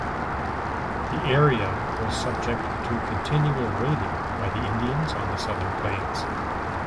The area was subject to continual raiding by the Indians on the Southern Plains.